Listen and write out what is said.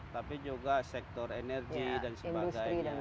tapi juga sektor energi dan sebagainya